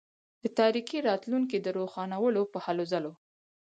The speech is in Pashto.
د تاریکي راتلونکي د روښانولو په هلوځلو.